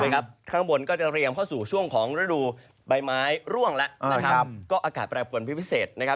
ข้างบนก็จะเรียงเข้าสู่ช่วงของฤดูใบไม้ร่วงแล้วก็อากาศแปรปวนพิเศษนะครับ